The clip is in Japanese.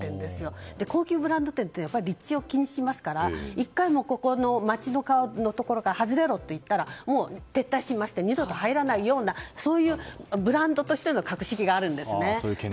高級ブランド店ってやっぱり立地を気にしますから１回、街の顔のところから外れろといったらもう撤退して二度と入らないようなブランドとしての格式があるんです。